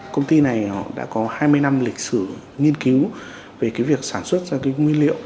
công ty này đã có hai mươi năm lịch sử nghiên cứu về việc sản xuất ra nguyên liệu